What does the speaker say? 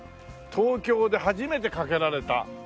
東京で初めて架けられた。